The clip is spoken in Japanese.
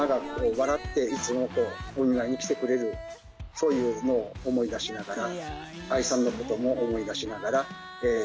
そういうのを思い出しながら。